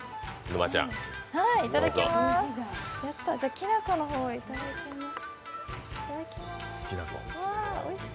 きなこのほう、いただいちゃいます。